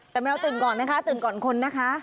แต่แมวตื่นก่อนนะคะตื่นก่อนคนนะคะ